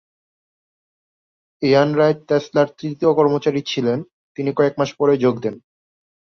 ইয়ান Wright টেসলার তৃতীয় কর্মচারী ছিলেন তিনি কয়েক মাস পরে যোগ দেন।